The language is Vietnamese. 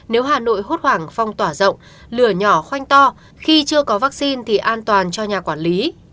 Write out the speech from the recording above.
nếu hà nội hốt hoảng phong tỏa rộng lửa nhỏ khoanh to khi chưa có vaccine thì an toàn cho nhà quản lý